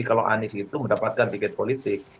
kalau anies itu mendapatkan tiket politik